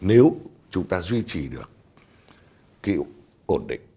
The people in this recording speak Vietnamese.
nếu chúng ta duy trì được kiểu ổn định